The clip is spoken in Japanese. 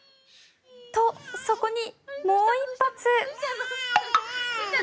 と、そこにもう１発。